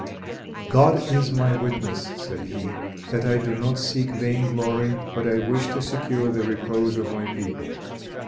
"God is my witness," said he, "that I do not seek vain glory, but I wish to secure the repose of my people.